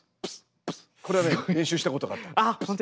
これはね練習したことがあった。